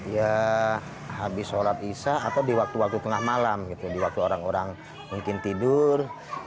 ya habis sholat isya atau di waktu waktu tengah malam gitu di waktu orang orang mungkin tidur